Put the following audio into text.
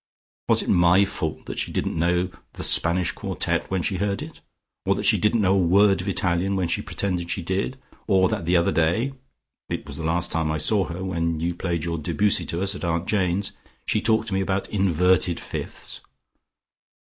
Was it my fault that she didn't know the Spanish quartette when she heard it, or that she didn't know a word of Italian, when she pretended she did, or that the other day (it was the last time I saw her, when you played your Debussy to us at Aunt Jane's) she talked to me about inverted fifths?"